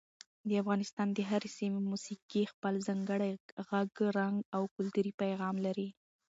د افغانستان د هرې سیمې موسیقي خپل ځانګړی غږ، رنګ او کلتوري پیغام لري.